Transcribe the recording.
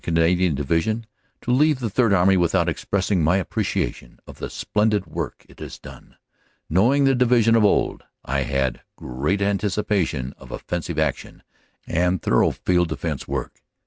Canadian Division to leave the Third Army without expressing my appreciation of the splendid work it has done. Knowing the Division of old, I had great anticipations of offensive action and thorough field defense work.